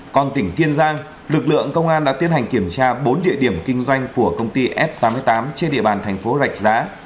còn tỉnh kiên giang lực lượng công an đã tiến hành kiểm tra bốn địa điểm kinh doanh của công ty f tám mươi tám trên địa bàn thành phố rạch giá